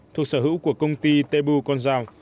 thuộc sở hữu của công ty tebu conzao